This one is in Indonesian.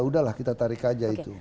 udah lah kita tarik aja itu